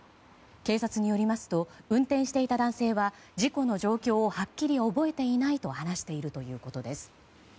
警察によりますと運転していた男性は事故の状況をはっきり覚えていないと話しているということです。